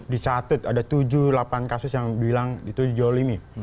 dicatut ada tujuh delapan kasus yang bilang itu dijolimi